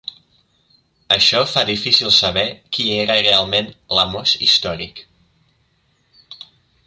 Això fa difícil saber qui era realment l'Amós històric.